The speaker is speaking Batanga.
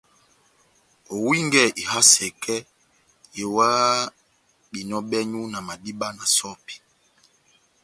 Owingɛni iha sɛkɛ, yowahani behinɔ bɛ́nywu na madiba na sɔ́pi.